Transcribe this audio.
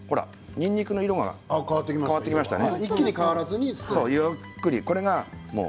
そうすると、にんにくの色が変わってきましたね。